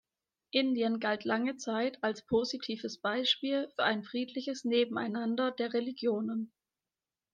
Indien galt lange Zeit als positives Beispiel für ein friedliches Nebeneinander der Religionen.